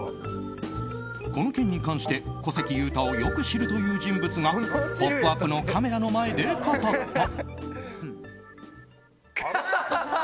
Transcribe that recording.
この件に関して小関裕太をよく知るという人物が「ポップＵＰ！」のカメラの前で語った。